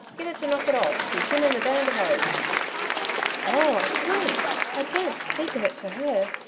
Git 'er t' knock it orf be jinin' ther Band ov 'ope.' 'Oh, I couldn't! I daren't speak of it to her.